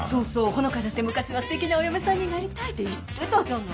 穂香だって昔はすてきなお嫁さんになりたいって言ってたじゃない。